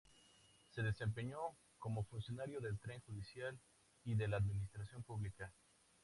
Se desempeñó como funcionario del tren judicial y de la administración pública.